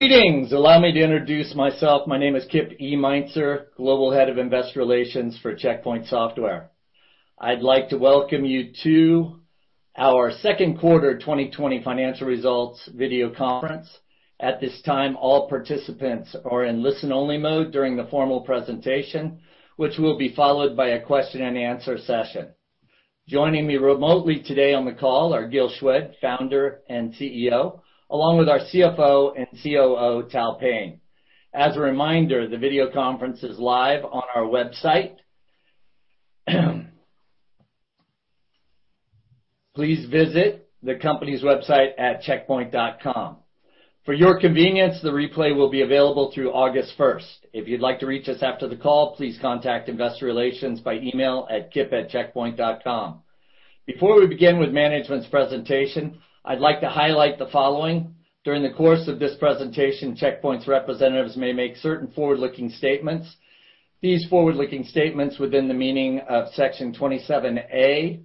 Greetings. Allow me to introduce myself. My name is Kip E. Meintzer, Global Head of Investor Relations for Check Point Software. I'd like to welcome you to our second quarter 2020 financial results video conference. At this time, all participants are in listen-only mode during the formal presentation, which will be followed by a question and answer session. Joining me remotely today on the call are Gil Shwed, Founder and CEO, along with our CFO and COO, Tal Payne. As a reminder, the video conference is live on our website. Please visit the company's website at checkpoint.com. For your convenience, the replay will be available through August 1st. If you'd like to reach us after the call, please contact investor relations by email at kip@checkpoint.com. Before we begin with management's presentation, I'd like to highlight the following. During the course of this presentation, Check Point's representatives may make certain forward-looking statements. These forward-looking statements within the meaning of Section 27A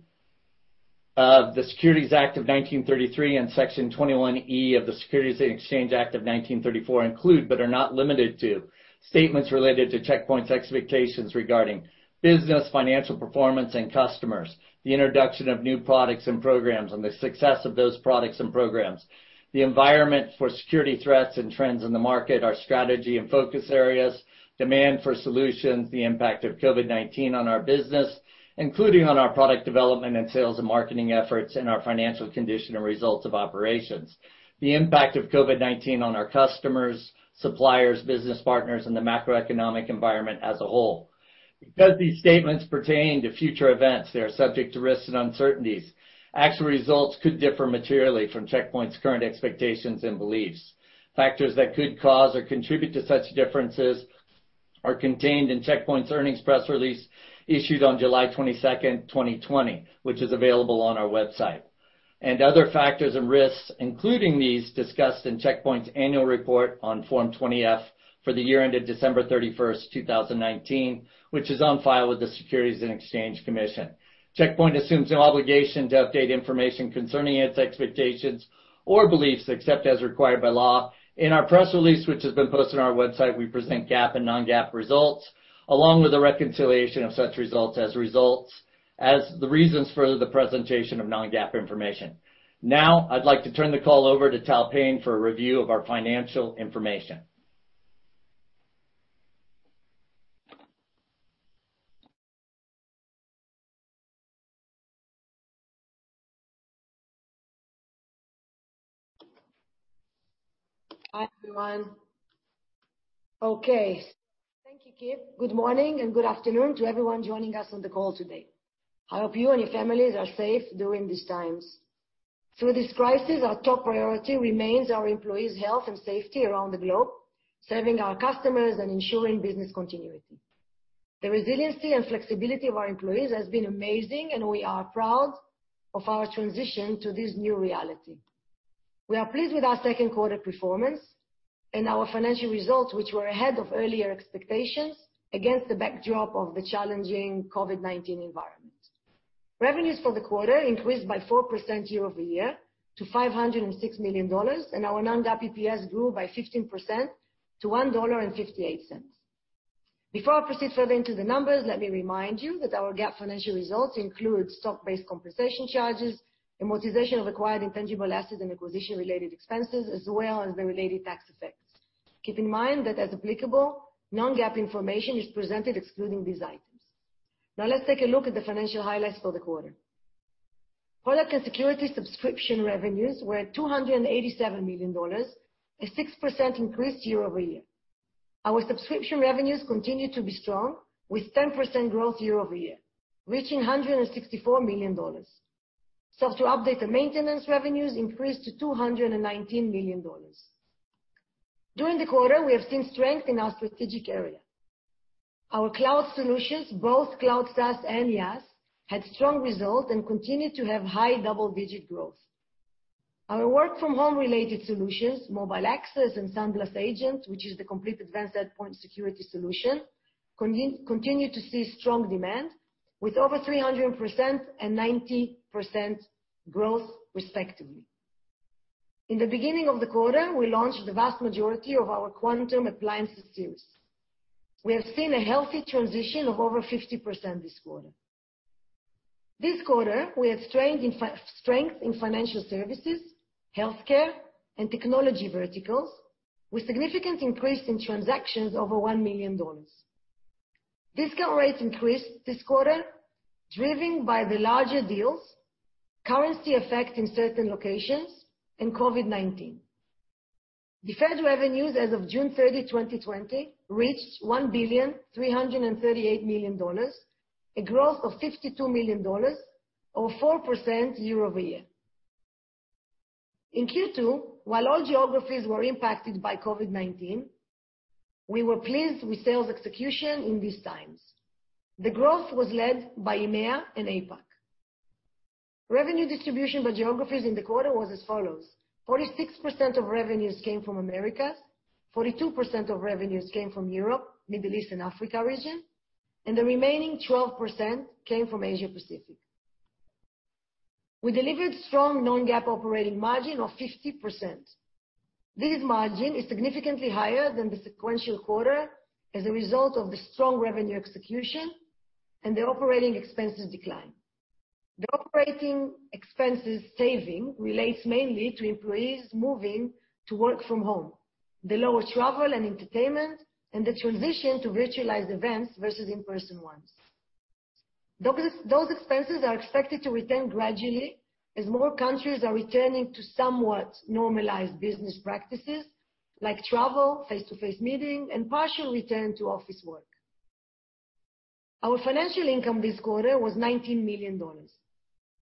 of the Securities Act of 1933 and Section 21E of the Securities Exchange Act of 1934 include, but are not limited to, statements related to Check Point's expectations regarding business, financial performance, and customers, the introduction of new products and programs, and the success of those products and programs, the environment for security threats and trends in the market, our strategy and focus areas, demand for solutions, the impact of COVID-19 on our business, including on our product development and sales and marketing efforts, and our financial condition and results of operations, the impact of COVID-19 on our customers, suppliers, business partners, and the macroeconomic environment as a whole. These statements pertain to future events, they are subject to risks and uncertainties. Actual results could differ materially from Check Point's current expectations and beliefs. Factors that could cause or contribute to such differences are contained in Check Point's earnings press release issued on July 22nd, 2020, which is available on our website, and other factors and risks, including these discussed in Check Point's annual report on Form 20-F for the year ended December 31st, 2019, which is on file with the Securities and Exchange Commission. Check Point assumes no obligation to update information concerning its expectations or beliefs, except as required by law. In our press release, which has been posted on our website, we present GAAP and non-GAAP results, along with the reconciliation of such results as the reasons for the presentation of non-GAAP information. Now, I'd like to turn the call over to Tal Payne for a review of our financial information. Hi, everyone. Okay. Thank you, Kip. Good morning and good afternoon to everyone joining us on the call today. I hope you and your families are safe during these times. Through this crisis, our top priority remains our employees' health and safety around the globe, serving our customers, and ensuring business continuity. The resiliency and flexibility of our employees has been amazing, and we are proud of our transition to this new reality. We are pleased with our second quarter performance and our financial results, which were ahead of earlier expectations, against the backdrop of the challenging COVID-19 environment. Revenues for the quarter increased by 4% year-over-year to $506 million, and our non-GAAP EPS grew by 15% to $1.58. Before I proceed further into the numbers, let me remind you that our GAAP financial results include stock-based compensation charges, amortization of acquired intangible assets, and acquisition-related expenses, as well as the related tax effects. Keep in mind that as applicable, non-GAAP information is presented excluding these items. Let's take a look at the financial highlights for the quarter. Product and security subscription revenues were at $287 million, a 6% increase year-over-year. Our subscription revenues continue to be strong, with 10% growth year-over-year, reaching $164 million. Software update and maintenance revenues increased to $219 million. During the quarter, we have seen strength in our strategic area. Our cloud solutions, both CloudGuard SaaS and IaaS, had strong results and continued to have high double-digit growth. Our work from home-related solutions, Mobile Access and SandBlast Agent, which is the complete advanced endpoint security solution, continue to see strong demand with over 300% and 90% growth respectively. In the beginning of the quarter, we launched the vast majority of our Quantum Appliance series. We have seen a healthy transition of over 50% this quarter. This quarter, we have strength in financial services, healthcare, and technology verticals, with significant increase in transactions over $1 million. Discount rates increased this quarter, driven by the larger deals, currency effect in certain locations, and COVID-19. Deferred revenues as of June 30, 2020, reached $1,338 million, a growth of $52 million, or 4% year-over-year. In Q2, while all geographies were impacted by COVID-19, we were pleased with sales execution in these times. The growth was led by EMEA and APAC. Revenue distribution by geographies in the quarter was as follows: 46% of revenues came from Americas, 42% of revenues came from Europe, Middle East, and Africa region, and the remaining 12% came from Asia Pacific. We delivered strong non-GAAP operating margin of 50%. This margin is significantly higher than the sequential quarter as a result of the strong revenue execution and the operating expenses decline. The operating expenses saving relates mainly to employees moving to work from home, the lower travel and entertainment, and the transition to virtualized events versus in-person ones. Those expenses are expected to return gradually as more countries are returning to somewhat normalized business practices, like travel, face-to-face meeting, and partial return to office work. Our financial income this quarter was $19 million.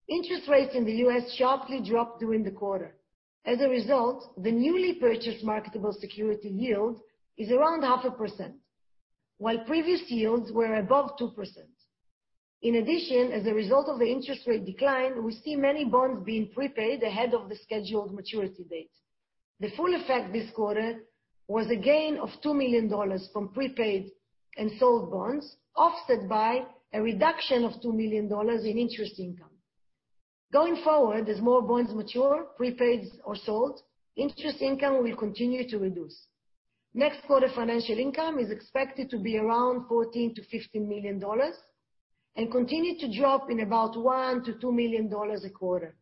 Interest rates in the U.S. sharply dropped during the quarter. As a result, the newly purchased marketable security yield is around half a percent, while previous yields were above 2%. In addition, as a result of the interest rate decline, we see many bonds being prepaid ahead of the scheduled maturity date. The full effect this quarter was a gain of $2 million from prepaid and sold bonds, offset by a reduction of $2 million in interest income. Going forward, as more bonds mature, prepaid or sold, interest income will continue to reduce. Next quarter financial income is expected to be around $14 million-$15 million, and continue to drop in about $1 million-$2 million a quarter.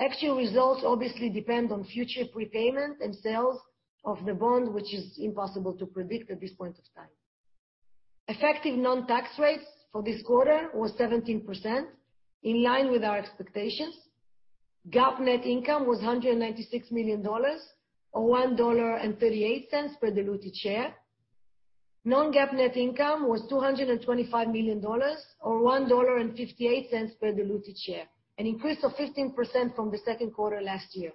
Actual results obviously depend on future prepayment and sales of the bond, which is impossible to predict at this point of time. Effective non-tax rates for this quarter were 17%, in line with our expectations. GAAP net income was $196 million, or $1.38 per diluted share. Non-GAAP net income was $225 million, or $1.58 per diluted share, an increase of 15% from the second quarter last year.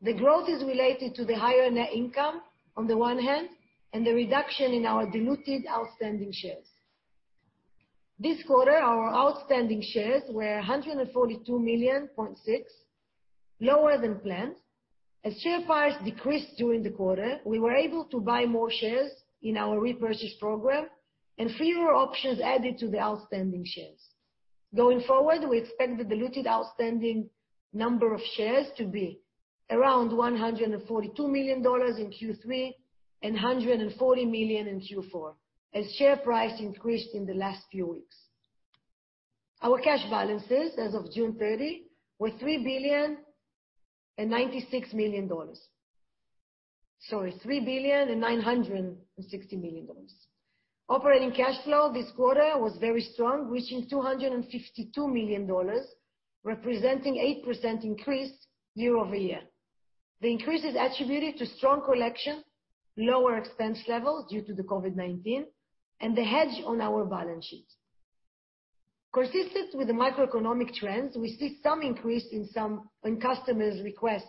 The growth is related to the higher net income on the one hand, and the reduction in our diluted outstanding shares. This quarter, our outstanding shares were 142.6 million, lower than planned. As share price decreased during the quarter, we were able to buy more shares in our repurchase program and fewer options added to the outstanding shares. Going forward, we expect the diluted outstanding number of shares to be around 142 million in Q3 and 140 million in Q4, as share price increased in the last few weeks. Our cash balances as of June 30 were $3 billion and $96 million. Sorry, $3 billion and $960 million. Operating cash flow this quarter was very strong, reaching $252 million, representing 8% increase year-over-year. The increase is attributed to strong collection, lower expense levels due to the COVID-19, and the hedge on our balance sheet. Consistent with the macroeconomic trends, we see some increase in customers' requests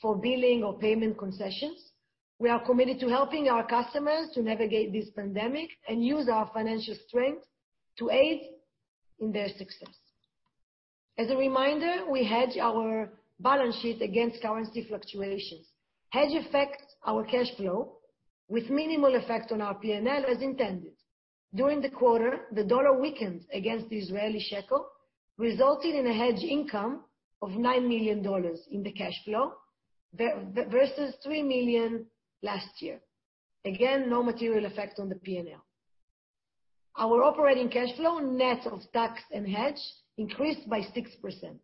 for billing or payment concessions. We are committed to helping our customers to navigate this pandemic and use our financial strength to aid in their success. As a reminder, we hedge our balance sheet against currency fluctuations. Hedge affects our cash flow with minimal effect on our P&L as intended. During the quarter, the dollar weakened against the Israeli shekel, resulting in a hedge income of $9 million in the cash flow, versus $3 million last year. Again, no material effect on the P&L. Our operating cash flow, net of tax and hedge, increased by 6%.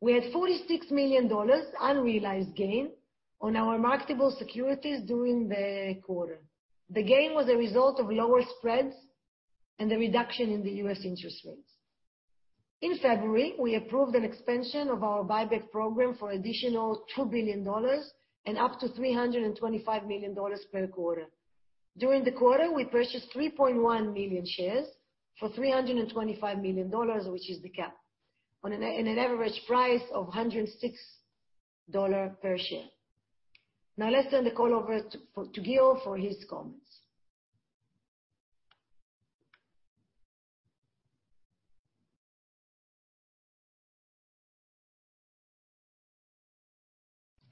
We had $46 million unrealized gain on our marketable securities during the quarter. The gain was a result of lower spreads and the reduction in the U.S. interest rates. In February, we approved an expansion of our buyback program for additional $2 billion and up to $325 million per quarter. During the quarter, we purchased 3.1 million shares for $325 million, which is the cap, on an average price of $106 per share. Let's turn the call over to Gil for his comments.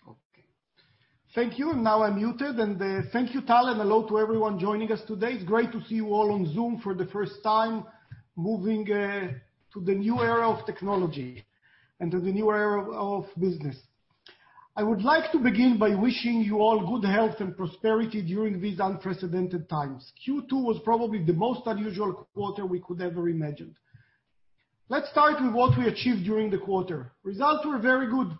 Okay. Thank you. Now I'm muted. Thank you, Tal, and hello to everyone joining us today. It's great to see you all on Zoom for the first time, moving to the new era of technology and to the new era of business. I would like to begin by wishing you all good health and prosperity during these unprecedented times. Q2 was probably the most unusual quarter we could ever imagined. Let's start with what we achieved during the quarter. Results were very good.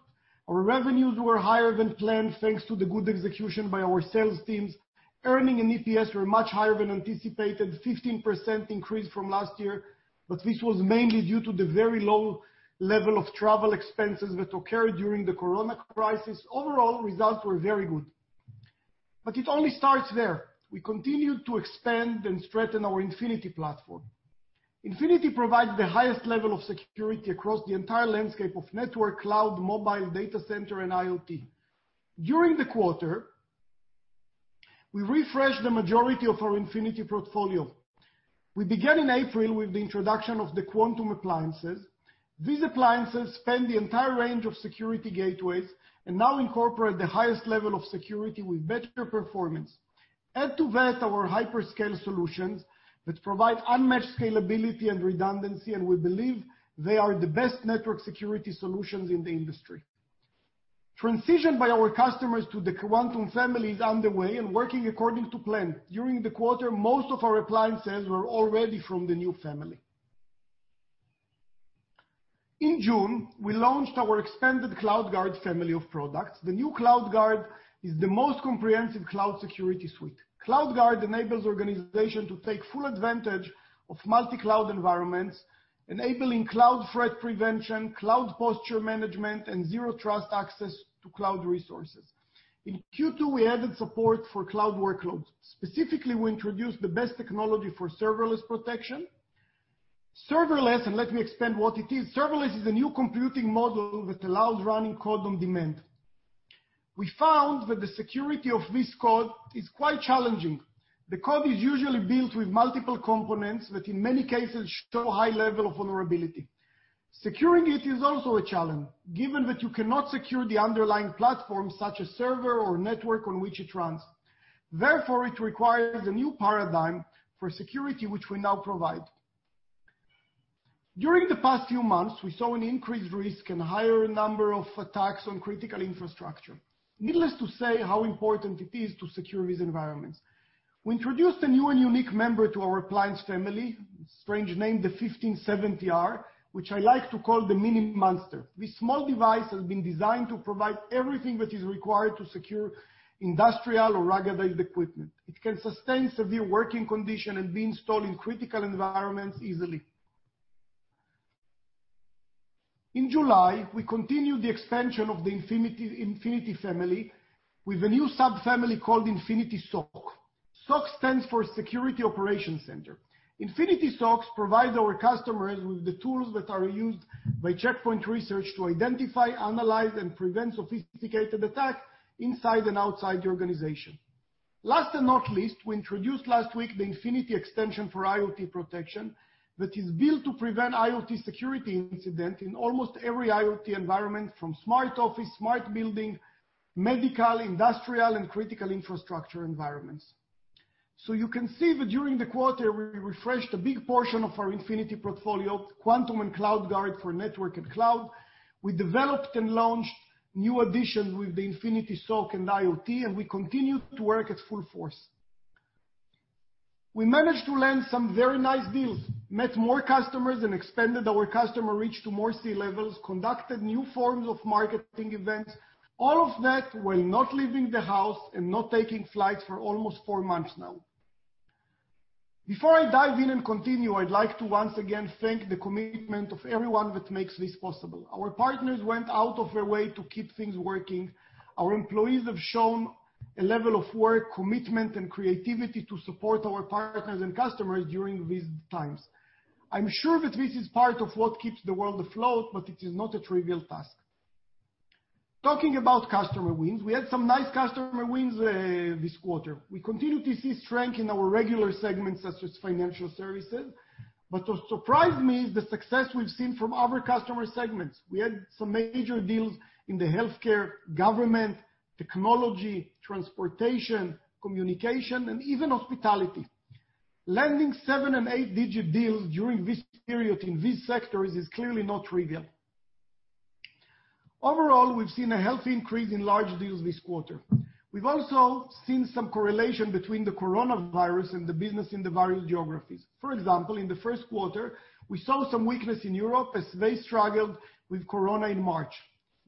Our revenues were higher than planned, thanks to the good execution by our sales teams. Earnings and EPS were much higher than anticipated, 15% increase from last year, but this was mainly due to the very low level of travel expenses that occurred during the COVID-19 crisis. Overall, results were very good. It only starts there. We continued to expand and strengthen our Infinity platform. Infinity provides the highest level of security across the entire landscape of network, cloud, mobile, data center, and IoT. During the quarter, we refreshed the majority of our Infinity portfolio. We began in April with the introduction of the Quantum appliances. These appliances span the entire range of security gateways and now incorporate the highest level of security with better performance. Add to that our hyperscale solutions that provide unmatched scalability and redundancy, and we believe they are the best network security solutions in the industry. Transition by our customers to the Quantum family is underway and working according to plan. During the quarter, most of our appliance sales were already from the new family. In June, we launched our expanded CloudGuard family of products. The new CloudGuard is the most comprehensive cloud security suite. CloudGuard enables organizations to take full advantage of multi-cloud environments, enabling cloud threat prevention, cloud posture management, and zero trust access to cloud resources. In Q2, we added support for cloud workloads. Specifically, we introduced the best technology for serverless protection. Serverless, let me explain what it is. Serverless is a new computing model that allows running code on demand. We found that the security of this code is quite challenging. The code is usually built with multiple components that, in many cases, show a high level of vulnerability. Securing it is also a challenge, given that you cannot secure the underlying platform, such as server or network on which it runs. Therefore, it requires a new paradigm for security, which we now provide. During the past few months, we saw an increased risk and a higher number of attacks on critical infrastructure. Needless to say how important it is to secure these environments. We introduced a new and unique member to our appliance family, strange name, the 1570R, which I like to call the Mini Monster. This small device has been designed to provide everything that is required to secure industrial or ruggedized equipment. It can sustain severe working condition and be installed in critical environments easily. In July, we continued the expansion of the Infinity family with a new subfamily called Infinity SOC. SOC stands for Security Operations Center. Infinity SOCs provide our customers with the tools that are used by Check Point Research to identify, analyze, and prevent sophisticated attack inside and outside the organization. Last and not least, we introduced last week the Infinity extension for IoT protection that is built to prevent IoT security incident in almost every IoT environment, from smart office, smart building, medical, industrial, and critical infrastructure environments. You can see that during the quarter, we refreshed a big portion of our Infinity portfolio, Quantum and CloudGuard for network and cloud. We developed and launched new additions with the Infinity SOC and IoT, and we continue to work at full force. We managed to land some very nice deals, met more customers, and expanded our customer reach to more C levels, conducted new forms of marketing events. All of that while not leaving the house and not taking flights for almost four months now. Before I dive in and continue, I'd like to once again thank the commitment of everyone that makes this possible. Our partners went out of their way to keep things working. Our employees have shown a level of work commitment and creativity to support our partners and customers during these times. I'm sure that this is part of what keeps the world afloat, but it is not a trivial task. Talking about customer wins, we had some nice customer wins this quarter. What surprised me is the success we've seen from other customer segments. We had some major deals in the healthcare, government, technology, transportation, communication, and even hospitality. Landing 7- and 8-digit deals during this period in these sectors is clearly not trivial. Overall, we've seen a healthy increase in large deals this quarter. We've also seen some correlation between the coronavirus and the business in the various geographies. For example, in the first quarter, we saw some weakness in Europe as they struggled with corona in March.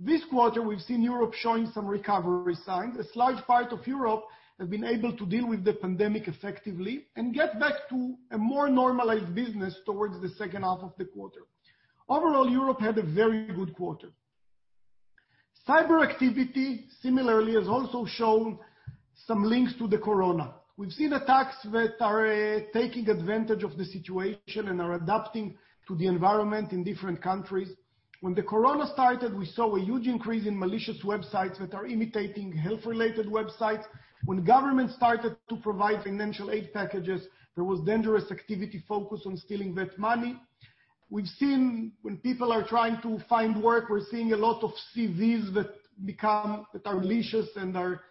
This quarter, we've seen Europe showing some recovery signs. A slight part of Europe have been able to deal with the pandemic effectively and get back to a more normalized business towards the second half of the quarter. Overall, Europe had a very good quarter. Cyber activity, similarly, has also shown some links to the corona. We've seen attacks that are taking advantage of the situation and are adapting to the environment in different countries. When the corona started, we saw a huge increase in malicious websites that are imitating health-related websites. When government started to provide financial aid packages, there was dangerous activity focused on stealing that money. We've seen when people are trying to find work, we're seeing a lot of CVs that are malicious and are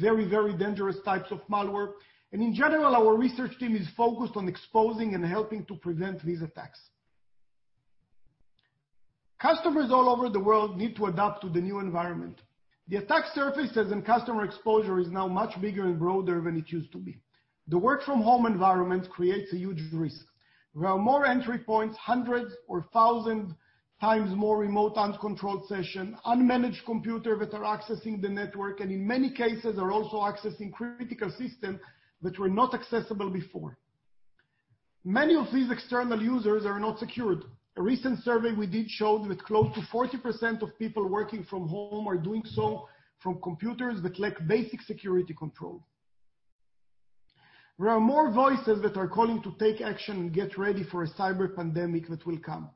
very, very dangerous types of malware. In general, our research team is focused on exposing and helping to prevent these attacks. Customers all over the world need to adapt to the new environment. The attack surface as in customer exposure is now much bigger and broader than it used to be. The work from home environment creates a huge risk. There are more entry points, hundreds or 1,000 times more remote uncontrolled session, unmanaged computer that are accessing the network, and in many cases, are also accessing critical system that were not accessible before. Many of these external users are not secured. A recent survey we did showed that close to 40% of people working from home are doing so from computers that lack basic security control. There are more voices that are calling to take action and get ready for a cyber pandemic that will come.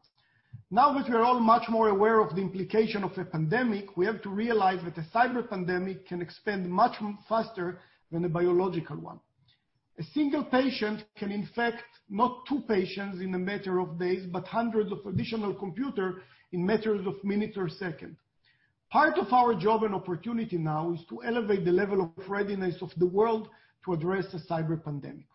Now that we are all much more aware of the implication of a pandemic, we have to realize that a cyber pandemic can expand much faster than a biological one. A single patient can infect not two patients in a matter of days, but hundreds of additional computer in matters of minutes or seconds. Part of our job and opportunity now is to elevate the level of readiness of the world to address a cyber pandemic.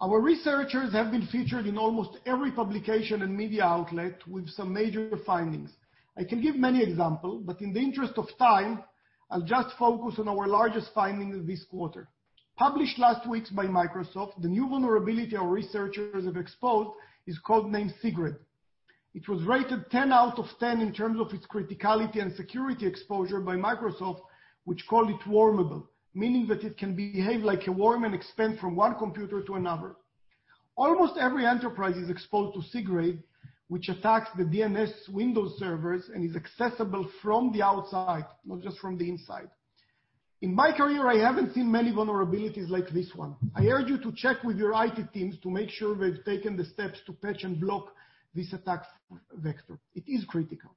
Our researchers have been featured in almost every publication and media outlet with some major findings. I can give many example, but in the interest of time, I'll just focus on our largest finding this quarter. Published last weeks by Microsoft, the new vulnerability our researchers have exposed is code-named SigRed. It was rated 10 out of 10 in terms of its criticality and security exposure by Microsoft, which called it wormable, meaning that it can behave like a worm and expand from one computer to another. Almost every enterprise is exposed to SigRed, which attacks the DNS Windows servers and is accessible from the outside, not just from the inside. In my career, I haven't seen many vulnerabilities like this one. I urge you to check with your IT teams to make sure they've taken the steps to patch and block this attack vector. It is critical.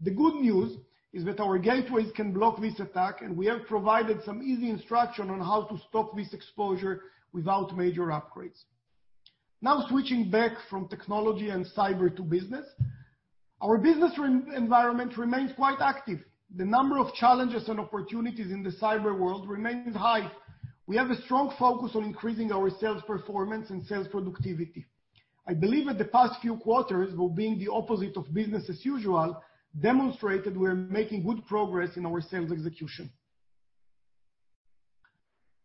The good news is that our gateways can block this attack, and we have provided some easy instruction on how to stop this exposure without major upgrades. Now, switching back from technology and cyber to business. Our business environment remains quite active. The number of challenges and opportunities in the cyber world remains high. We have a strong focus on increasing our sales performance and sales productivity. I believe that the past few quarters were being the opposite of business as usual, demonstrated we are making good progress in our sales execution.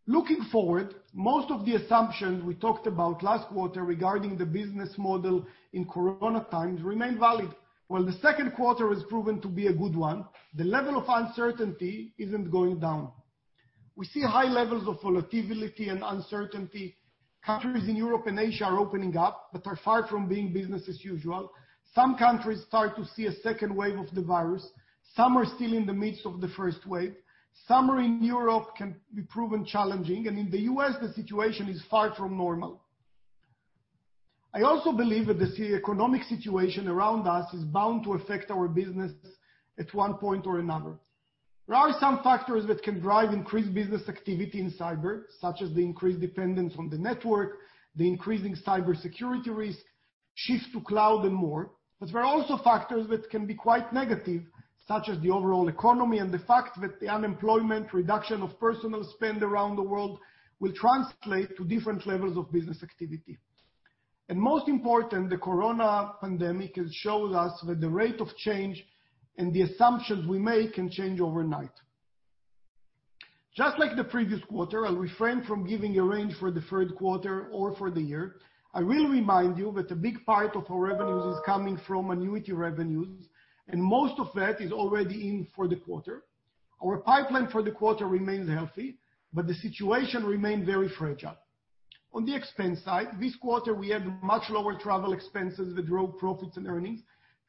Looking forward, most of the assumptions we talked about last quarter regarding the business model in coronavirus times remain valid. While the second quarter has proven to be a good one, the level of uncertainty isn't going down. We see high levels of volatility and uncertainty. Countries in Europe and Asia are opening up but are far from being business as usual. Some countries start to see a second wave of the virus. Some are still in the midst of the first wave. Summer in Europe can be proven challenging, and in the U.S., the situation is far from normal. I also believe that the economic situation around us is bound to affect our business at one point or another. There are some factors that can drive increased business activity in cyber, such as the increased dependence on the network, the increasing cybersecurity risk, shift to cloud, and more. There are also factors that can be quite negative, such as the overall economy and the fact that the unemployment reduction of personal spend around the world will translate to different levels of business activity. Most important, the COVID-19 has shown us that the rate of change and the assumptions we make can change overnight. Just like the previous quarter, I'll refrain from giving a range for the third quarter or for the year. I will remind you that a big part of our revenues is coming from annuity revenues, and most of that is already in for the quarter. Our pipeline for the quarter remains healthy, but the situation remains very fragile. On the expense side, this quarter, we have much lower travel expenses that drove profits and earnings.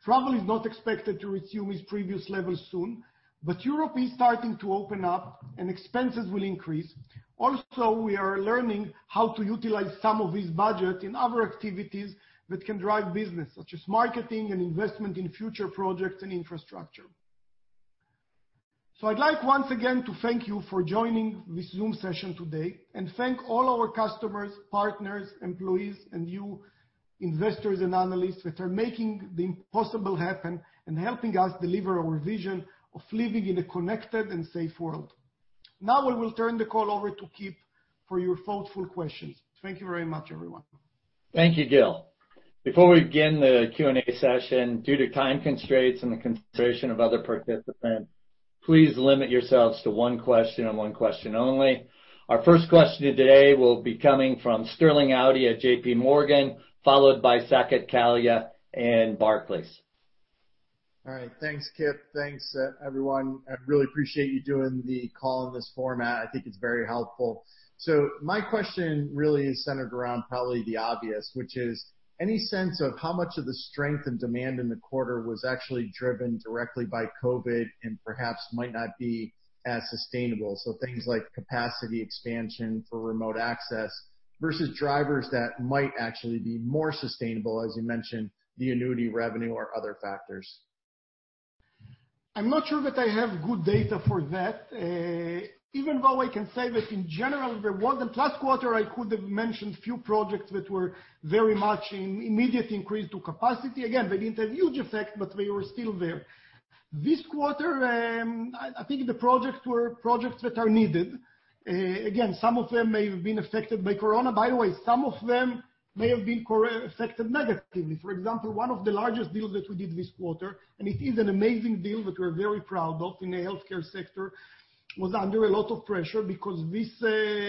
Travel is not expected to resume its previous levels soon, but Europe is starting to open up, and expenses will increase. Also, we are learning how to utilize some of this budget in other activities that can drive business, such as marketing and investment in future projects and infrastructure. I'd like once again to thank you for joining this Zoom session today and thank all our customers, partners, employees, and you investors and analysts that are making the impossible happen and helping us deliver our vision of living in a connected and safe world. I will turn the call over to Kip for your thoughtful questions. Thank you very much, everyone. Thank you, Gil. Before we begin the Q&A session, due to time constraints and the consideration of other participants, please limit yourselves to one question and one question only. Our first question today will be coming from Sterling Auty at J.P. Morgan, followed by Saket Kalia in Barclays. All right. Thanks, Kip. Thanks, everyone. I really appreciate you doing the call in this format. I think it's very helpful. My question really is centered around probably the obvious, which is, any sense of how much of the strength and demand in the quarter was actually driven directly by COVID-19 and perhaps might not be as sustainable? Things like capacity expansion for remote access versus drivers that might actually be more sustainable, as you mentioned, the annuity revenue or other factors. I'm not sure that I have good data for that. I can say that in general, there was in last quarter, I could have mentioned few projects that were very much an immediate increase to capacity. They didn't have huge effect, but they were still there. This quarter, I think the projects were projects that are needed. Some of them may have been affected by corona. By the way, some of them may have been affected negatively. For example, one of the largest deals that we did this quarter, and it is an amazing deal that we're very proud of in the healthcare sector, was under a lot of pressure because this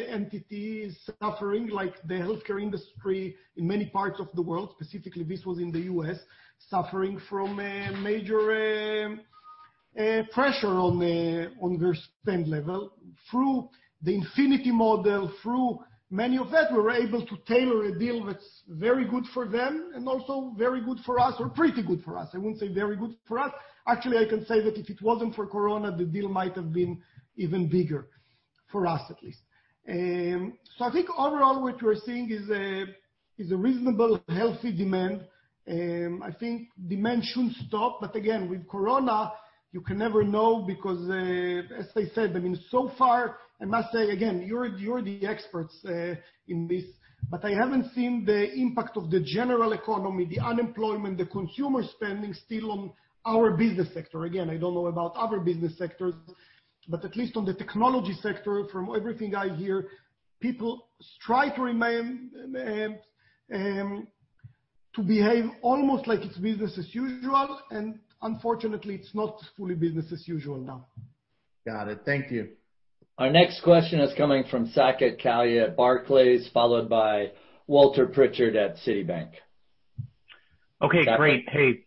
entity is suffering, like the healthcare industry in many parts of the world, specifically this was in the U.S., suffering from a major pressure on their spend level. Through the Infinity model, through many of that, we were able to tailor a deal that's very good for them and also very good for us or pretty good for us. I wouldn't say very good for us. Actually, I can say that if it wasn't for Corona, the deal might have been even bigger, for us at least. I think overall, what we're seeing is a reasonable, healthy demand. I think demand shouldn't stop, but again, with Corona, you can never know because, as I said, I mean, so far, I must say again, you're the experts in this, but I haven't seen the impact of the general economy, the unemployment, the consumer spending still on our business sector. I don't know about other business sectors, but at least on the technology sector, from everything I hear, people try to behave almost like it's business as usual, and unfortunately, it's not fully business as usual now. Got it. Thank you. Our next question is coming from Saket Kalia at Barclays, followed by Walter Pritchard at Citibank. Okay, great. Hey.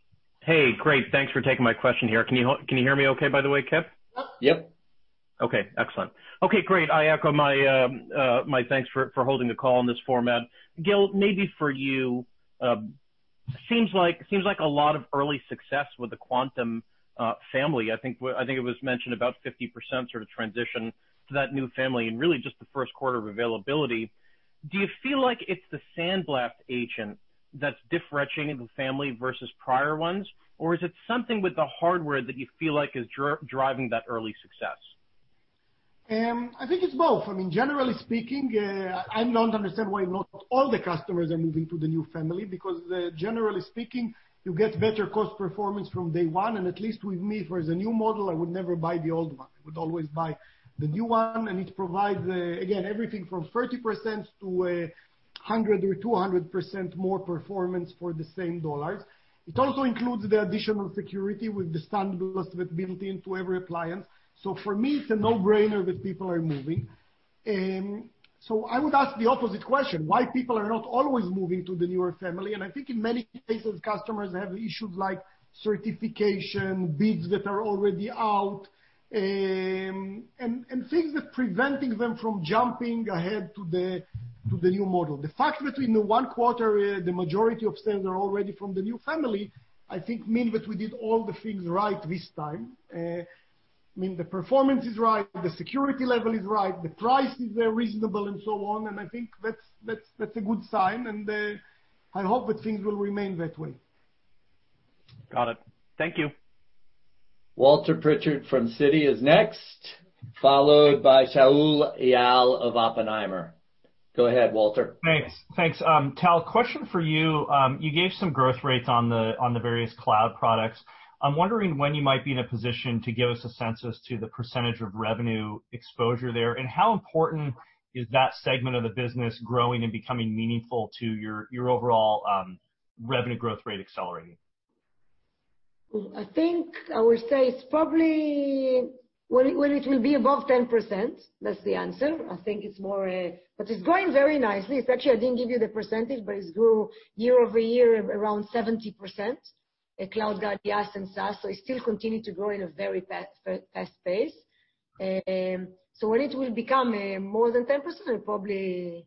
Great. Thanks for taking my question here. Can you hear me okay, by the way, Kip? Yep. Okay, excellent. Okay, great. I echo my thanks for holding the call in this format. Gil, maybe for you, seems like a lot of early success with the Quantum family. I think it was mentioned about 50% sort of transition to that new family in really just the first quarter of availability. Do you feel like it's the SandBlast Agent that's differentiating the family versus prior ones, or is it something with the hardware that you feel like is driving that early success? I think it's both. I mean, generally speaking, I don't understand why not all the customers are moving to the new family because, generally speaking, you get better cost performance from day one, and at least with me, if there's a new model, I would never buy the old one. I would always buy the new one, and it provides, again, everything from 30% to 100 or 200% more performance for the same dollars. It also includes the additional security with the SandBlast with built-in to every appliance. For me, it's a no-brainer that people are moving. I would ask the opposite question, why people are not always moving to the newer family, and I think in many cases, customers have issues like certification, bids that are already out, and things that preventing them from jumping ahead to the new model. The fact that in the one quarter, the majority of sales are already from the new family, I think mean that we did all the things right this time. I mean, the performance is right, the security level is right, the prices are reasonable and so on. I think that's a good sign. I hope that things will remain that way. Got it. Thank you. Walter Pritchard from Citi is next, followed by Shaul Eyal of Oppenheimer. Go ahead, Walter. Thanks. Tal, question for you. You gave some growth rates on the various cloud products. I'm wondering when you might be in a position to give us a sense as to the percentage of revenue exposure there, and how important is that segment of the business growing and becoming meaningful to your overall revenue growth rate accelerating? I think I would say it's probably when it will be above 10%, that's the answer. I think it's more, but it's growing very nicely. Actually, I didn't give you the percentage, but it grew year-over-year around 70%, CloudGuard IaaS and SaaS. It still continued to grow in a very fast pace. When it will become more than 10%, I'll probably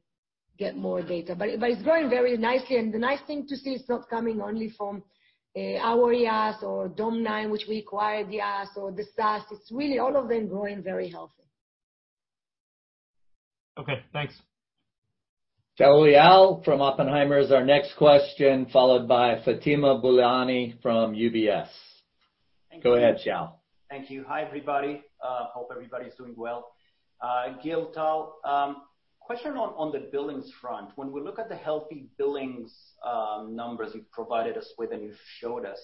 get more data. It's growing very nicely, and the nice thing to see, it's not coming only from our IaaS or Dome9, which we acquired the IaaS or the SaaS. It's really all of them growing very healthy. Okay, thanks. Shaul Eyal from Oppenheimer is our next question, followed by Fatima Boolani from UBS. Go ahead, Shaul. Thank you. Hi, everybody. Hope everybody's doing well. Gil, Tal, question on the billings front. When we look at the healthy billings numbers you've provided us with and you've showed us,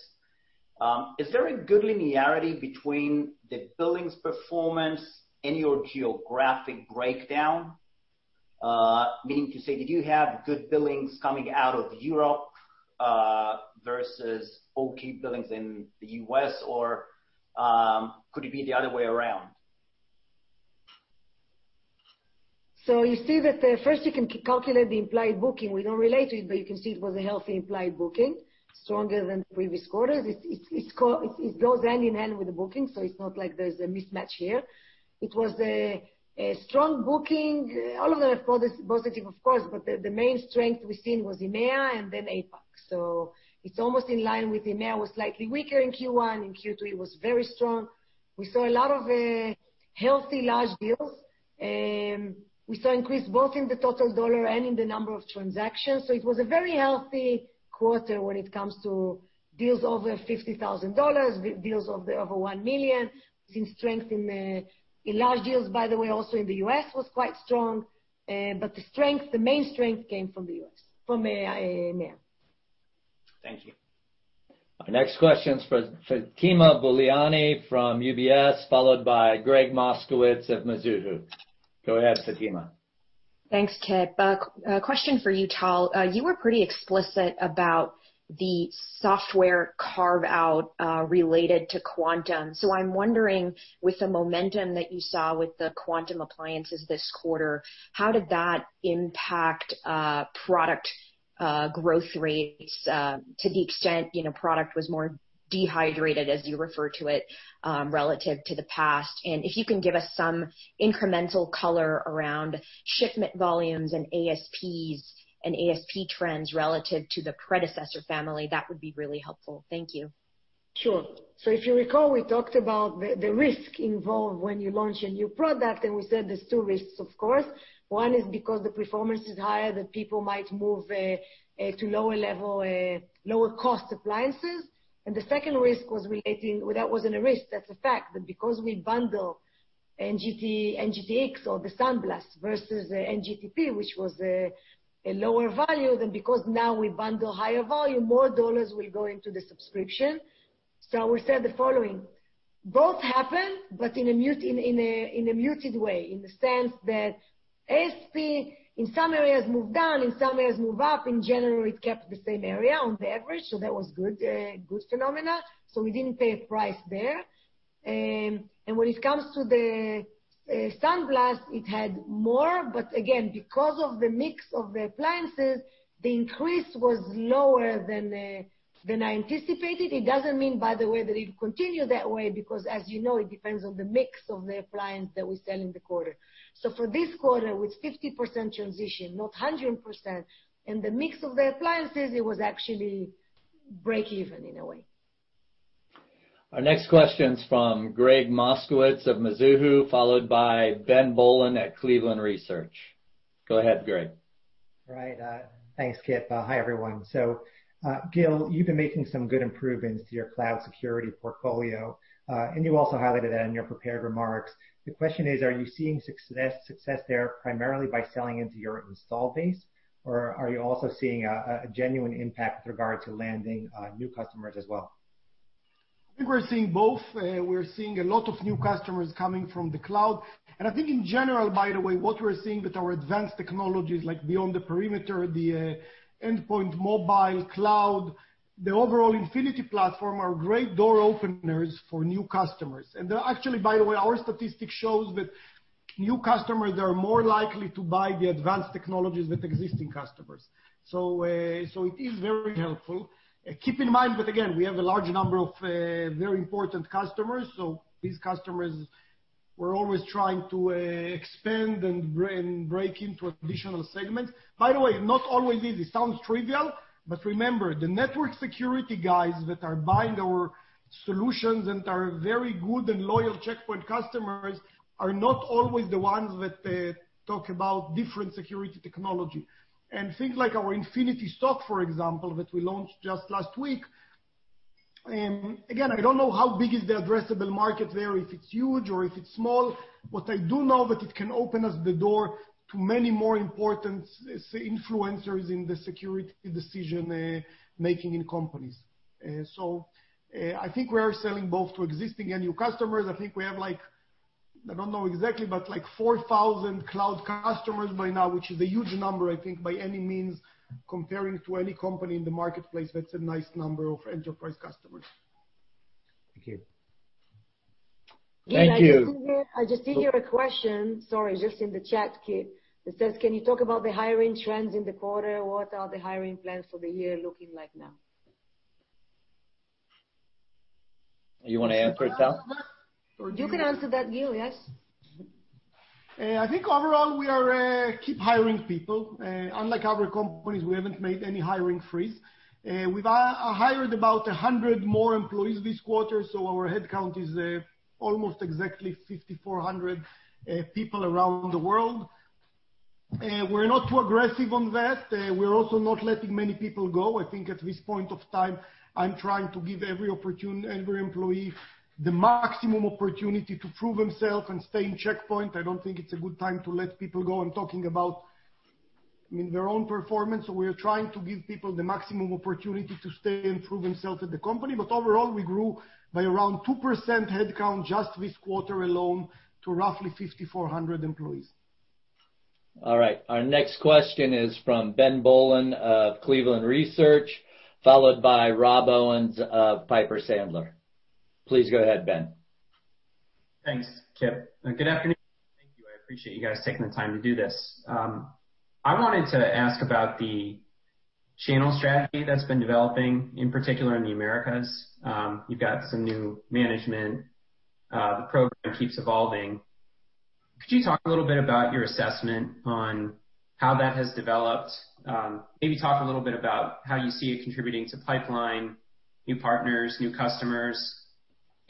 is there a good linearity between the billings performance in your geographic breakdown? Meaning to say, did you have good billings coming out of Europe versus okay billings in the U.S., or could it be the other way around? You see that first you can calculate the implied booking. We don't relate to it, but you can see it was a healthy implied booking, stronger than previous quarters. It goes hand in hand with the booking, so it's not like there's a mismatch here. It was a strong booking. All of them are positive, of course, but the main strength we've seen was EMEA and then APAC. It's almost in line with EMEA, was slightly weaker in Q1. In Q2, it was very strong. We saw a lot of healthy large deals. We saw increase both in the total dollar and in the number of transactions. It was a very healthy quarter when it comes to deals over $50,000, deals over $1 million. We've seen strength in large deals, by the way, also in the US was quite strong. The main strength came from EMEA. Thank you. Our next question is for Fatima Boolani from UBS, followed by Gregg Moskowitz of Mizuho. Go ahead, Fatima. Thanks, Kip. A question for you, Tal. You were pretty explicit about the software carve-out related to Quantum. I'm wondering, with the momentum that you saw with the Quantum appliances this quarter, how did that impact product growth rates to the extent product was more dehydrated, as you refer to it, relative to the past? If you can give us some incremental color around shipment volumes and ASPs and ASP trends relative to the predecessor family, that would be really helpful. Thank you. Sure. If you recall, we talked about the risk involved when you launch a new product, and we said there's two risks, of course. One is because the performance is higher, that people might move to lower level, lower cost appliances. The second risk was relating, that wasn't a risk, that's a fact, that because we bundle NGTX or the SandBlast versus NGTP, which was a lower value, then because now we bundle higher volume, more dollars will go into the subscription. I will say the following, both happen, but in a muted way, in the sense that ASP, in some areas move down, in some areas move up. In general, it kept the same area on the average, that was good phenomena. We didn't pay a price there. When it comes to the SandBlast, it had more, but again, because of the mix of the appliances, the increase was lower than I anticipated. It doesn't mean, by the way, that it will continue that way because as you know, it depends on the mix of the appliance that we sell in the quarter. For this quarter, with 50% transition, not 100%, and the mix of the appliances, it was actually break-even in a way. Our next question is from Gregg Moskowitz of Mizuho, followed by Ben Bollin at Cleveland Research. Go ahead, Gregg. All right. Thanks, Kip. Hi, everyone. Gil, you've been making some good improvements to your cloud security portfolio. You also highlighted that in your prepared remarks. The question is, are you seeing success there primarily by selling into your install base, or are you also seeing a genuine impact with regard to landing new customers as well? I think we're seeing both. We're seeing a lot of new customers coming from the cloud. I think in general, by the way, what we're seeing with our advanced technologies like beyond the perimeter, the endpoint mobile cloud, the overall Infinity platform are great door openers for new customers. Actually, by the way, our statistic shows that new customers are more likely to buy the advanced technologies than existing customers. It is very helpful. Keep in mind that, again, we have a large number of very important customers. These customers, we're always trying to expand and break into additional segments. By the way, not always easy. It sounds trivial, but remember, the network security guys that are buying our solutions and are very good and loyal Check Point customers are not always the ones that talk about different security technology. Things like our Infinity SOC, for example, that we launched just last week, again, I don't know how big is the addressable market there, if it's huge or if it's small. What I do know that it can open us the door to many more important influencers in the security decision-making in companies. I think we are selling both to existing and new customers. I think we have, I don't know exactly, but 4,000 cloud customers by now, which is a huge number, I think by any means comparing to any company in the marketplace. That's a nice number of enterprise customers. Thank you. Thank you. I just see here a question, sorry, just in the chat, Kip, that says, "Can you talk about the hiring trends in the quarter? What are the hiring plans for the year looking like now? You want to answer it, Tal? You can answer that, Gil. Yes. I think overall, we keep hiring people. Unlike other companies, we haven't made any hiring freeze. We've hired about 100 more employees this quarter, so our headcount is almost exactly 5,400 people around the world. We're not too aggressive on that. We're also not letting many people go. I think at this point of time, I'm trying to give every employee the maximum opportunity to prove themselves and stay in Check Point. I don't think it's a good time to let people go. I'm talking about their own performance. We are trying to give people the maximum opportunity to stay and prove themselves at the company. Overall, we grew by around 2% headcount just this quarter alone to roughly 5,400 employees. All right. Our next question is from Ben Bollin of Cleveland Research, followed by Rob Owens of Piper Sandler. Please go ahead, Ben. Thanks, Kip, and good afternoon. Thank you. I appreciate you guys taking the time to do this. I wanted to ask about the channel strategy that's been developing, in particular in the Americas. You've got some new management. The program keeps evolving. Could you talk a little bit about your assessment on how that has developed? Talk a little bit about how you see it contributing to pipeline, new partners, new customers.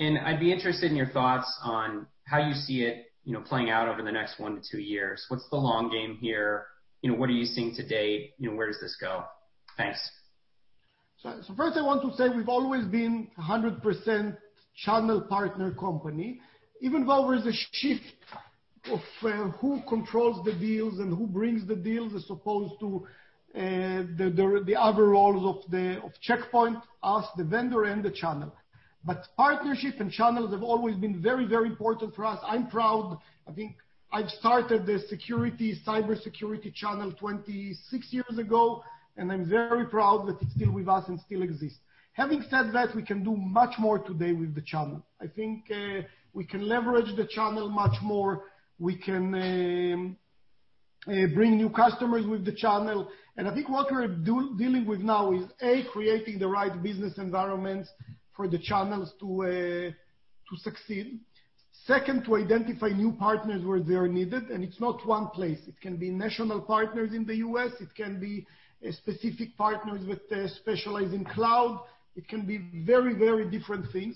I'd be interested in your thoughts on how you see it playing out over the next 1-2 years. What's the long game here? What are you seeing today? Where does this go? Thanks. First I want to say we've always been 100% channel partner company, even while there's a shift of who controls the deals and who brings the deals as opposed to the other roles of Check Point, us, the vendor, and the channel. Partnership and channels have always been very, very important for us. I'm proud. I think I've started the security, cybersecurity channel 26 years ago, and I'm very proud that it's still with us and still exists. Having said that, we can do much more today with the channel. I think we can leverage the channel much more. We can bring new customers with the channel. I think what we're dealing with now is, A, creating the right business environment for the channels to succeed. Second, to identify new partners where they are needed, and it's not one place. It can be national partners in the U.S. It can be specific partners with specialize in cloud. It can be very, very different things.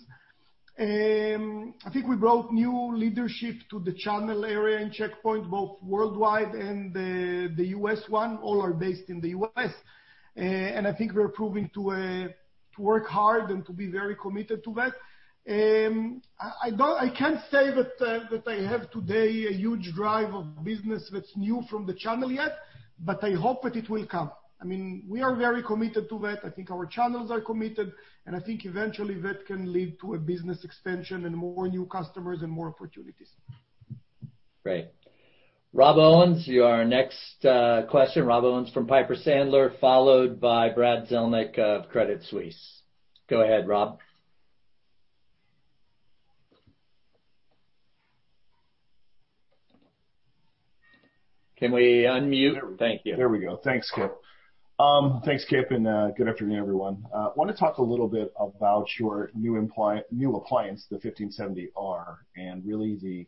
I think we brought new leadership to the channel area in Check Point, both worldwide and the U.S. one. All are based in the U.S. I think we're proving to work hard and to be very committed to that. I can't say that I have today a huge drive of business that's new from the channel yet, but I hope that it will come. We are very committed to that, I think our channels are committed, and I think eventually that can lead to a business expansion and more new customers and more opportunities. Great. Rob Owens, you are our next question. Rob Owens from Piper Sandler, followed by Brad Zelnick of Credit Suisse. Go ahead, Rob. Can we unmute? Thank you. There we go. Thanks, Kip. Thanks, Kip, and good afternoon, everyone. I want to talk a little bit about your new appliance, the 1570R, and really the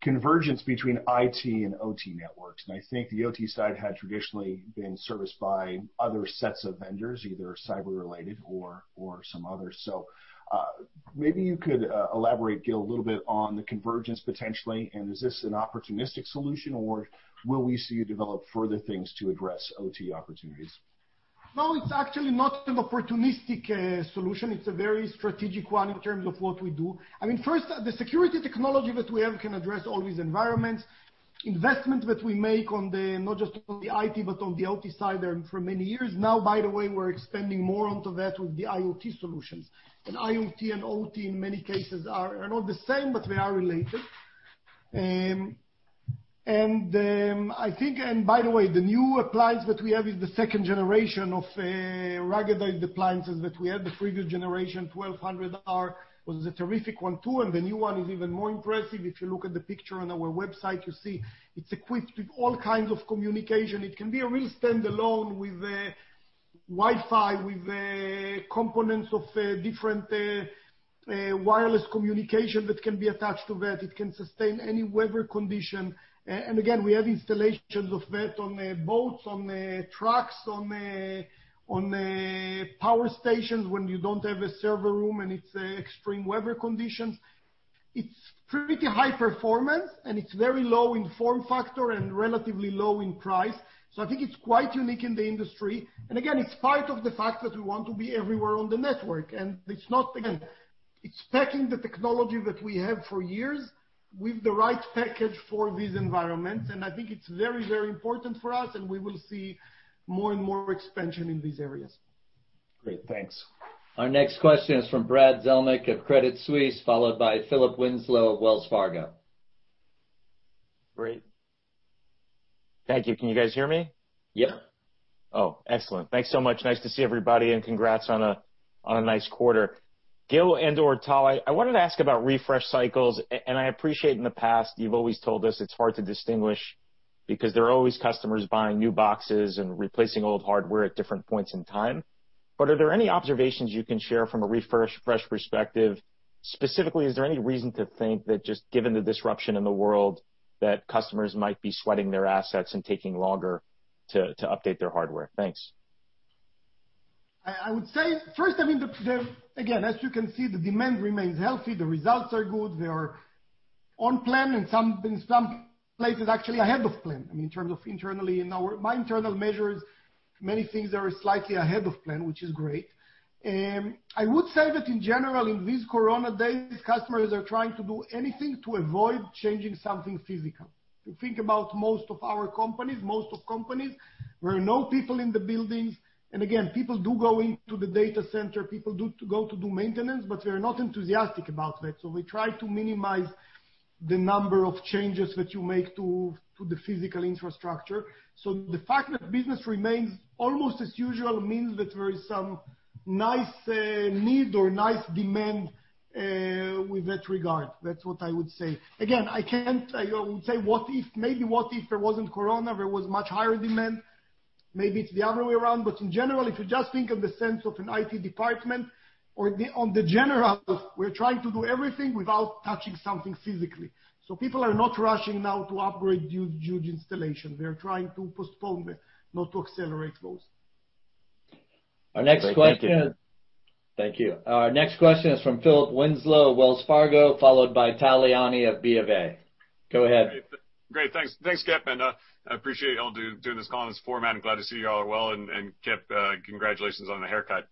convergence between IT and OT networks. I think the OT side had traditionally been serviced by other sets of vendors, either cyber related or some others. Maybe you could elaborate, Gil, a little bit on the convergence, potentially, and is this an opportunistic solution, or will we see you develop further things to address OT opportunities? No, it's actually not an opportunistic solution. It's a very strategic one in terms of what we do. First, the security technology that we have can address all these environments. Investment that we make, not just on the IT, but on the OT side for many years now, by the way, we're expanding more onto that with the IoT solutions. IoT and OT, in many cases, are not the same, but they are related. By the way, the new appliance that we have is the second generation of ruggedized appliances that we had. The previous generation, 1200R, was a terrific one, too, and the new one is even more impressive. If you look at the picture on our website, you see it's equipped with all kinds of communication. It can be a real standalone with Wi-Fi, with components of different wireless communication that can be attached to that. It can sustain any weather condition. Again, we have installations of that on boats, on trucks, on power stations when you don't have a server room and it's extreme weather conditions. It's pretty high performance, and it's very low in form factor and relatively low in price. I think it's quite unique in the industry. Again, it's part of the fact that we want to be everywhere on the network, and it's packing the technology that we have for years with the right package for these environments. I think it's very, very important for us, and we will see more and more expansion in these areas. Great. Thanks. Our next question is from Brad Zelnick of Credit Suisse, followed by Philip Winslow of Wells Fargo. Great. Thank you. Can you guys hear me? Yeah. Oh, excellent. Thanks so much. Nice to see everybody, and congrats on a nice quarter. Gil and/or Tal, I wanted to ask about refresh cycles, and I appreciate in the past you've always told us it's hard to distinguish, because there are always customers buying new boxes and replacing old hardware at different points in time. Are there any observations you can share from a refresh perspective? Specifically, is there any reason to think that just given the disruption in the world that customers might be sweating their assets and taking longer to update their hardware? Thanks. I would say, first, again, as you can see, the demand remains healthy. The results are good. They are on plan, and in some places, actually ahead of plan. In terms of internally, by internal measures, many things are slightly ahead of plan, which is great. I would say that in general, in these corona days, customers are trying to do anything to avoid changing something physical. If you think about most of our companies, most of companies, there are no people in the buildings. Again, people do go into the data center, people do go to do maintenance, but we are not enthusiastic about that. We try to minimize the number of changes that you make to the physical infrastructure. The fact that business remains almost as usual means that there is some nice need or nice demand with that regard. That's what I would say. I would say, maybe what if there wasn't corona, there was much higher demand, maybe it's the other way around. In general, if you just think of the sense of an IT department, on the general, we're trying to do everything without touching something physically. People are not rushing now to operate huge installation. They're trying to postpone it, not to accelerate those. Thank you. Our next question is from Philip Winslow, Wells Fargo, followed by Tal Liani of BofA Securities, Inc.. Go ahead. Great. Thanks, Kip, and I appreciate y'all doing this call in this format. I'm glad to see you all are well, and Kip, congratulations on the haircut.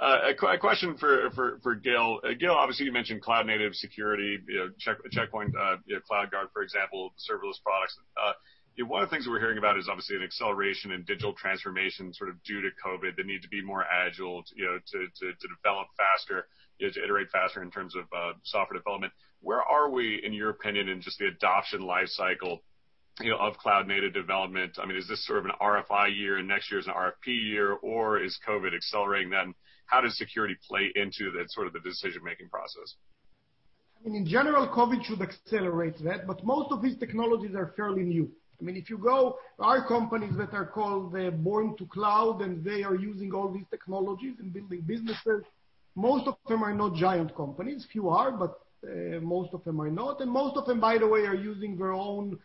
A question for Gil. Gil, obviously, you mentioned cloud-native security, Check Point, CloudGuard, for example, serverless products. One of the things we're hearing about is obviously an acceleration in digital transformation sort of due to COVID, the need to be more agile, to develop faster, to iterate faster in terms of software development. Where are we, in your opinion, in just the adoption life cycle of cloud-native development? Is this sort of an RFI year and next year is an RFP year, or is COVID accelerating that, and how does security play into the decision-making process? In general, COVID should accelerate that, but most of these technologies are fairly new. There are companies that are called born to cloud, and they are using all these technologies and building businesses. Most of them are not giant companies. Few are, but most of them are not, and most of them, by the way, are using their own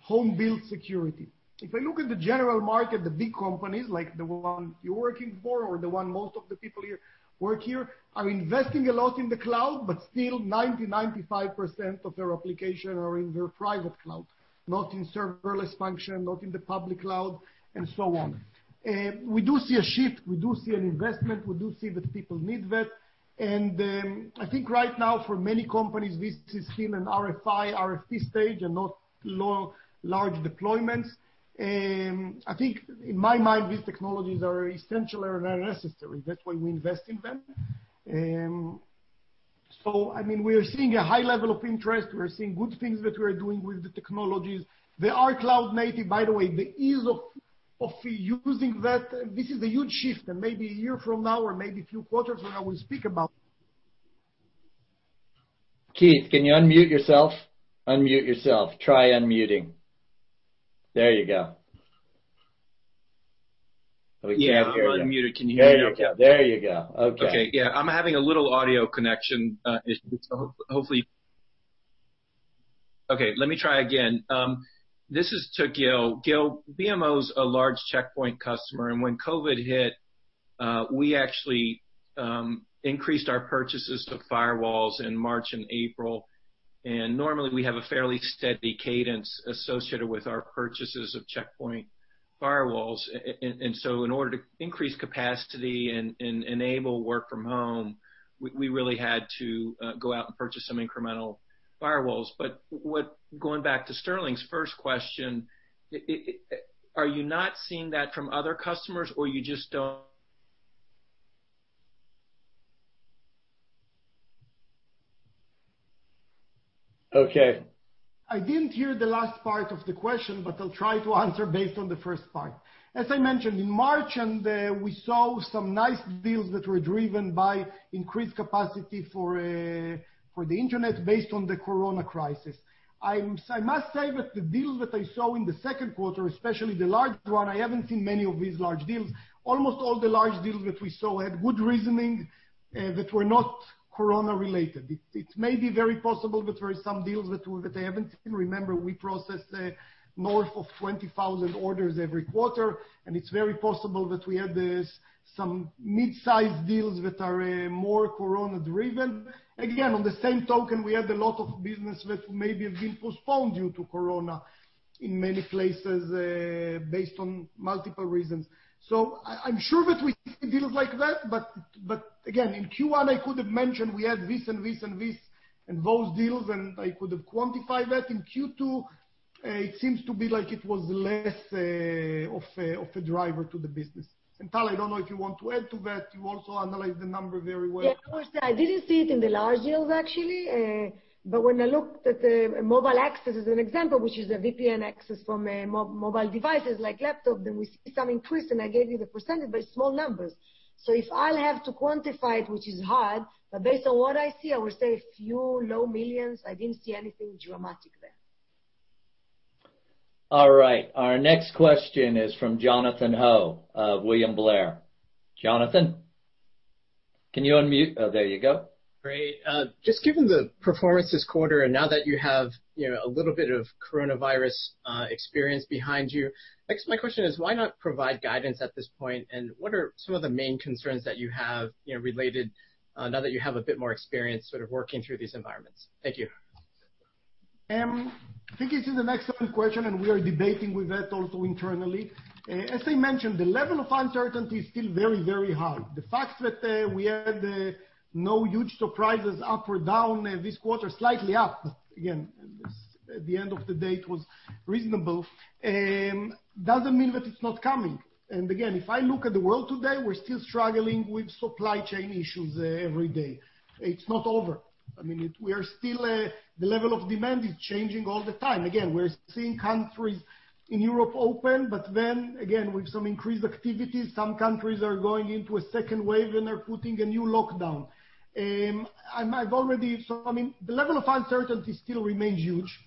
home-built security. If I look at the general market, the big companies, like the one you're working for or the one most of the people here work here, are investing a lot in the cloud, but still 90%, 95% of their application are in their private cloud, not in serverless function, not in the public cloud, and so on. We do see a shift. We do see an investment. We do see that people need that. I think right now, for many companies, this is still an RFI, RFP stage and not large deployments. I think, in my mind, these technologies are essential and are necessary. That's why we invest in them. We're seeing a high level of interest. We're seeing good things that we're doing with the technologies. They are cloud native, by the way. The ease of using that, this is a huge shift, and maybe a year from now or maybe a few quarters from now, we'll speak about. Keith, can you unmute yourself? Try unmuting. There you go. We can't hear you. Yeah, I'm unmuted. Can you hear me now? There you go. Okay. Okay. Yeah. I'm having a little audio connection issue. Hopefully, let me try again. This is to Gil. Gil, BMO's a large Check Point customer, and when COVID hit, we actually increased our purchases of firewalls in March and April. Normally, we have a fairly steady cadence associated with our purchases of Check Point firewalls. In order to increase capacity and enable work from home, we really had to go out and purchase some incremental firewalls. Going back to Sterling's first question, are you not seeing that from other customers, or you just don't Okay. I didn't hear the last part of the question, but I'll try to answer based on the first part. As I mentioned, in March, and we saw some nice deals that were driven by increased capacity for the internet based on the corona crisis. I must say that the deals that I saw in the second quarter, especially the large one, I haven't seen many of these large deals. Almost all the large deals that we saw had good reasoning, that were not corona related. It may be very possible that there are some deals that I haven't seen. Remember, we process north of 20,000 orders every quarter, and it's very possible that we had some mid-size deals that are more corona driven. Again, on the same token, we had a lot of business that maybe have been postponed due to corona in many places, based on multiple reasons. I'm sure that we see deals like that, but again, in Q1, I could have mentioned we had this and this and this and those deals, and I could have quantified that. In Q2, it seems to be like it was less of a driver to the business. Tal, I don't know if you want to add to that. You also analyze the number very well. Yeah, of course. I didn't see it in the large deals, actually. When I looked at the Mobile Access as an example, which is a VPN access from mobile devices like laptop, then we see some increase, and I gave you the %, but small numbers. If I'll have to quantify it, which is hard, but based on what I see, I would say a few low millions. I didn't see anything dramatic there. All right. Our next question is from Jonathan Ho of William Blair. Jonathan, Oh, there you go. Great. Just given the performance this quarter, and now that you have a little bit of coronavirus experience behind you, I guess my question is, why not provide guidance at this point? What are some of the main concerns that you have, related, now that you have a bit more experience sort of working through these environments? Thank you. I think it's an excellent question, and we are debating with that also internally. As I mentioned, the level of uncertainty is still very, very high. The fact that we had no huge surprises up or down this quarter, slightly up, but again, at the end of the day, it was reasonable, doesn't mean that it's not coming. Again, if I look at the world today, we're still struggling with supply chain issues every day. It's not over. The level of demand is changing all the time. Again, we're seeing countries in Europe open, but then, again, with some increased activities, some countries are going into a second wave, and they're putting a new lockdown. The level of uncertainty still remains huge.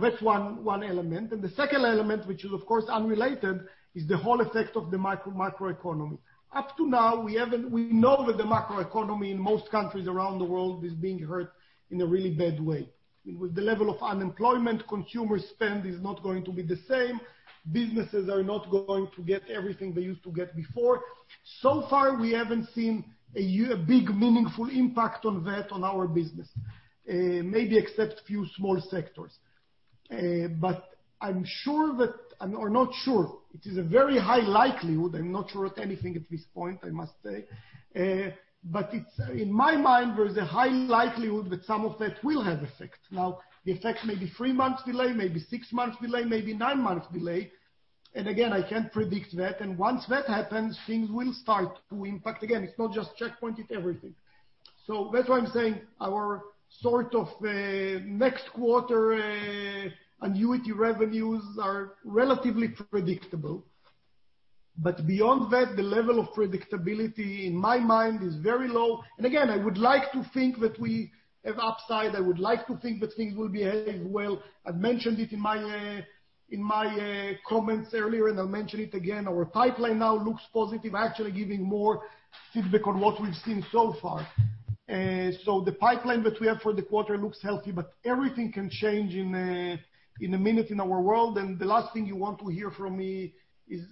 That's one element. The second element, which is of course unrelated, is the whole effect of the macroeconomy. Up to now, we know that the macroeconomy in most countries around the world is being hurt in a really bad way. With the level of unemployment, consumer spend is not going to be the same. Businesses are not going to get everything they used to get before. So far, we haven't seen a big, meaningful impact on that on our business, maybe except few small sectors. It is a very high likelihood, I'm not sure of anything at this point, I must say, but in my mind, there is a high likelihood that some of that will have effect. The effect may be three months delay, maybe six months delay, maybe nine months delay. Again, I can't predict that. Once that happens, things will start to impact. Again, it's not just Check Point, it's everything. That's why I'm saying our sort of next quarter annuity revenues are relatively predictable. Beyond that, the level of predictability, in my mind, is very low. Again, I would like to think that we have upside. I would like to think that things will behave well. I've mentioned it in my comments earlier, and I'll mention it again, our pipeline now looks positive, actually giving more feedback on what we've seen so far. The pipeline that we have for the quarter looks healthy, but everything can change in a minute in our world. The last thing you want to hear from me is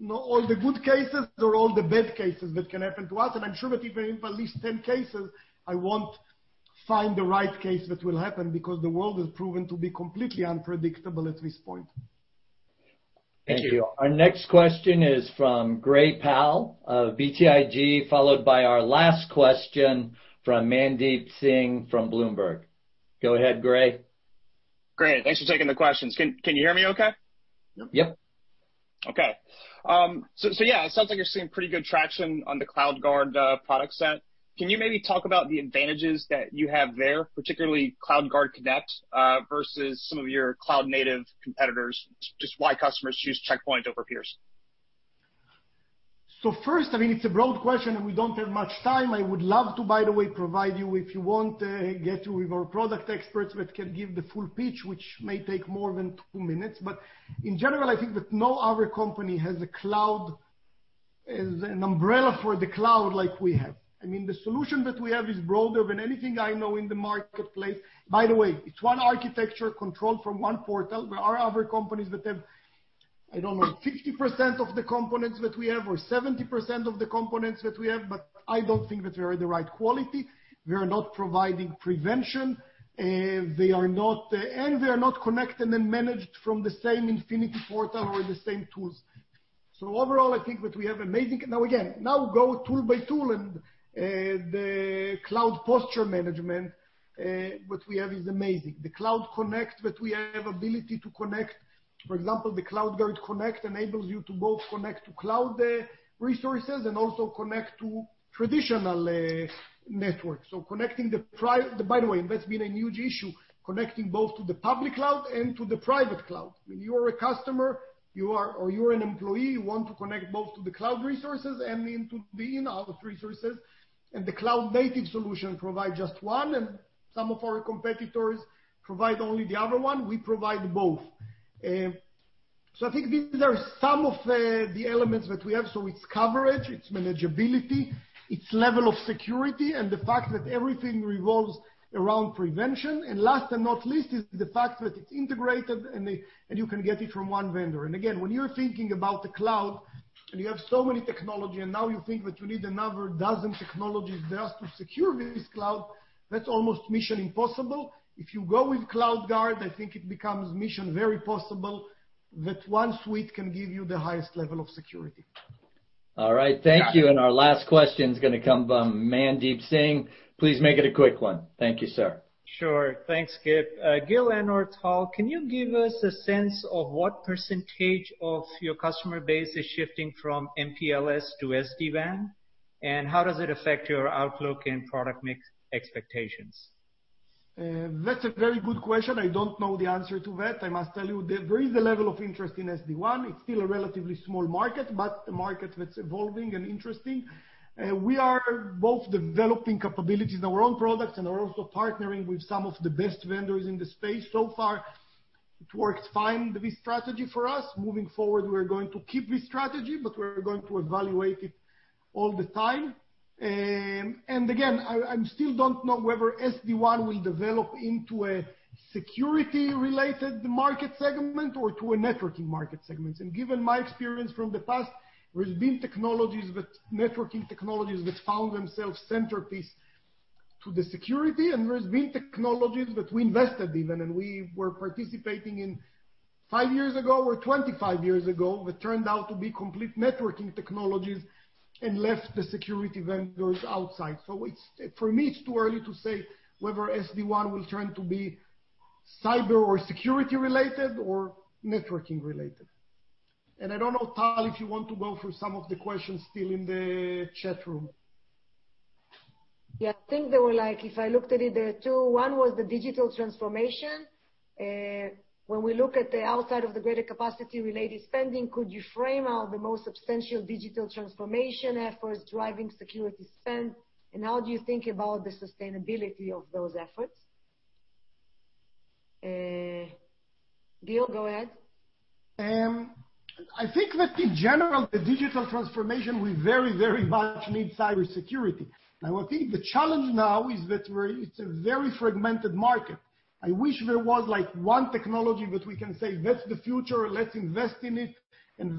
not all the good cases or all the bad cases that can happen to us. I'm sure that even if at least 10 cases, I won't find the right case that will happen, because the world has proven to be completely unpredictable at this point. Thank you. Thank you. Our next question is from Gray Powell of BTIG, followed by our last question from Mandeep Singh from Bloomberg. Go ahead, Gray. Great. Thanks for taking the questions. Can you hear me okay? Yep. Okay. Yeah, it sounds like you're seeing pretty good traction on the CloudGuard product set. Can you maybe talk about the advantages that you have there, particularly CloudGuard Connect, versus some of your cloud-native competitors, just why customers choose Check Point over peers? First, it's a broad question, and we don't have much time. I would love to, by the way, provide you, if you want, get you with our product experts that can give the full pitch, which may take more than two minutes. In general, I think that no other company has a cloud, an umbrella for the cloud like we have. The solution that we have is broader than anything I know in the marketplace. It's one architecture controlled from one portal. There are other companies that have, I don't know, 50% of the components that we have or 70% of the components that we have, but I don't think that they are the right quality. They are not providing prevention, and they are not connected and managed from the same Infinity Portal or the same tools. Overall, I think what we have is amazing. Again, go tool by tool. The cloud posture management, what we have is amazing. The CloudGuard Connect that we have ability to connect, for example, the CloudGuard Connect enables you to both connect to cloud resources and also connect to traditional networks. By the way, and that's been a huge issue, connecting both to the public cloud and to the private cloud. When you are a customer, or you're an employee, you want to connect both to the cloud resources and into the in-house resources. The cloud-native solution provide just one, and some of our competitors provide only the other one. We provide both. I think these are some of the elements that we have. It's coverage, it's manageability, it's level of security, and the fact that everything revolves around prevention. Last and not least is the fact that it's integrated, and you can get it from one vendor. Again, when you're thinking about the cloud and you have so many technology, and now you think that you need another dozen technologies just to secure this cloud, that's almost mission impossible. If you go with CloudGuard, I think it becomes mission very possible, that one suite can give you the highest level of security. All right. Thank you. Our last question is going to come from Mandeep Singh. Please make it a quick one. Thank you, sir. Sure. Thanks, Kip. Gil and or Tal, can you give us a sense of what percentage of your customer base is shifting from MPLS to SD-WAN? How does it affect your outlook and product mix expectations? That's a very good question. I don't know the answer to that. I must tell you, there is a level of interest in SD-WAN. It's still a relatively small market, but a market that's evolving and interesting. We are both developing capabilities in our own products and are also partnering with some of the best vendors in the space. So far, it works fine, this strategy for us. Moving forward, we're going to keep this strategy, but we're going to evaluate it all the time. Again, I still don't know whether SD-WAN will develop into a security-related market segment or to a networking market segment. Given my experience from the past, there's been networking technologies that found themselves centerpiece to the security, and there's been technologies that we invested even, and we were participating in 5 years ago or 25 years ago, that turned out to be complete networking technologies and left the security vendors outside. For me, it's too early to say whether SD-WAN will turn to be cyber or security-related or networking related. I don't know, Tal, if you want to go through some of the questions still in the chat room. Yeah. I think they were like, if I looked at it, there are two. One was the digital transformation. When we look at the outside of the greater capacity related spending, could you frame out the most substantial digital transformation efforts driving security spend? How do you think about the sustainability of those efforts? Gil, go ahead. I think that in general, the digital transformation will very, very much need cybersecurity. Now, I think the challenge now is that it's a very fragmented market. I wish there was one technology that we can say, "That's the future. Let's invest in it," and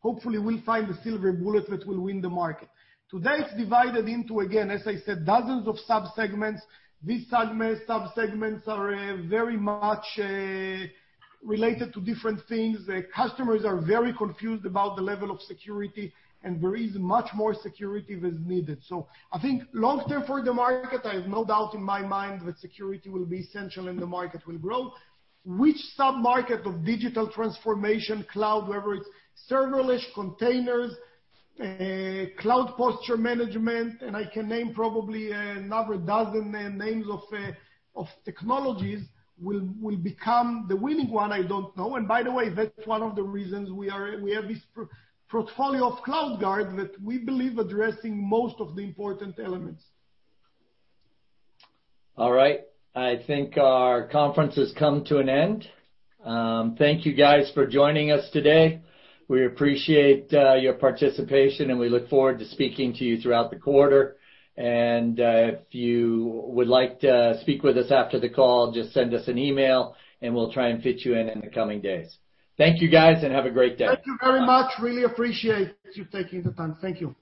hopefully we'll find the silver bullet that will win the market. Today, it's divided into, again, as I said, dozens of subsegments. These subsegments are very much related to different things. The customers are very confused about the level of security, and there is much more security that is needed. I think long term for the market, I have no doubt in my mind that security will be essential, and the market will grow. Which sub-market of digital transformation, cloud, whether it's serverless, containers, cloud posture management, and I can name probably another dozen names of technologies, will become the winning one, I don't know. By the way, that's one of the reasons we have this portfolio of CloudGuard that we believe addressing most of the important elements. All right. I think our conference has come to an end. Thank you guys for joining us today. We appreciate your participation, and we look forward to speaking to you throughout the quarter. If you would like to speak with us after the call, just send us an email and we'll try and fit you in in the coming days. Thank you guys, and have a great day. Thank you very much. Really appreciate you taking the time. Thank you.